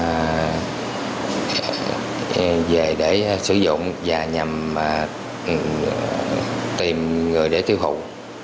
má túy với giá hai mươi bảy triệu đồng về để sử dụng và nhằm tìm người để tiêu hụt